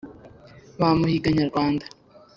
Bamuhiga Nyarwanda!